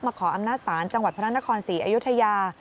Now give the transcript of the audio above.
ขออำนาจศาลจังหวัดพระนครศรีอยุธยา